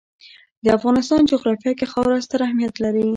د افغانستان جغرافیه کې خاوره ستر اهمیت لري.